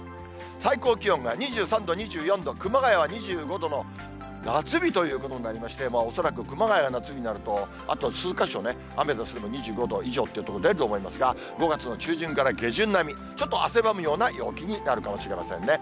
最高気温が２３度、２４度、熊谷は２５度の夏日ということになりまして、恐らく熊谷、夏日になると、あと数か所ね、アメダスの２５度以上という所、出ると思いますが、５月の中旬から下旬並み、ちょっと汗ばむような陽気になるかもしれませんね。